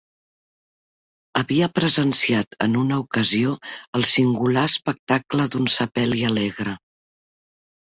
Havia presenciat en una ocasió el singular espectacle d'un sepeli alegre.